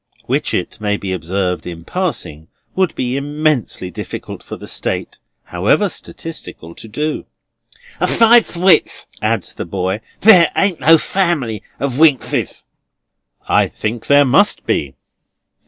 '" Which, it may be observed in passing, it would be immensely difficult for the State, however statistical, to do. "Asides which," adds the boy, "there ain't no family of Winkses." "I think there must be."